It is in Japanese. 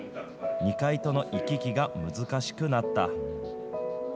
２階との行き来が難しくなった。